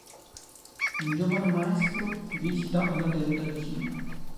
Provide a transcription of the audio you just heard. Un giovane maestro visita una tenuta vicina.